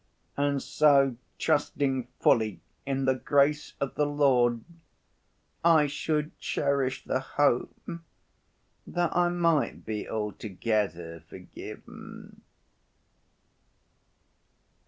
And so trusting fully in the grace of the Lord I should cherish the hope that I might be altogether forgiven."